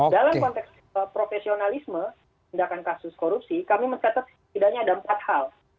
dalam konteks profesionalisme tindakan kasus korupsi kami mencatat setidaknya ada empat hal